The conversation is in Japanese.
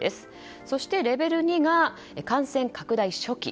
そして、レベル２が感染拡大初期。